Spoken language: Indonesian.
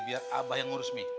biar abah yang ngurus mi